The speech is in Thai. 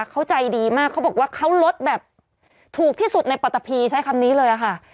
เขาใจดีมากเขาบอกว่าเขาลดแบบถูกที่สุดในปัตตะพีใช้คำนี้เลยค่ะ